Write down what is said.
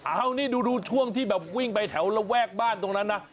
เอานี่ดูช่วงที่แบบวิ่งไปแถวระแวกบ้านตรงนั้นนะ